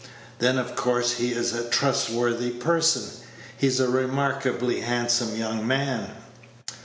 Then of course he is a trustworthy person. He's a remarkably handsome young man."